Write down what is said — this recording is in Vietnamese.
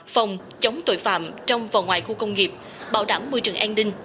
phòng chống tội phạm trong và ngoài khu công nghiệp bảo đảm môi trường an ninh